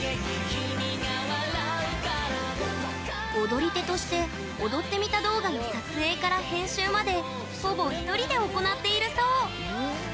踊り手として踊ってみた動画の撮影から編集までほぼ１人で行っているそう。